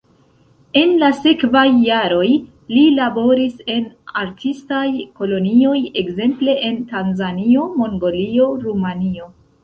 En la sekvaj jaroj li laboris en artistaj kolonioj ekzemple en Tanzanio, Mongolio, Rumanio.